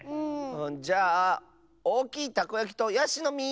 じゃあおおきいたこやきとやしのみ！